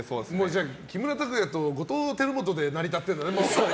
じゃあ、木村拓哉と後藤輝基で成り立ってるんだね。